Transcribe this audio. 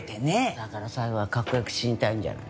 だから最後はかっこよく死にたいんじゃない。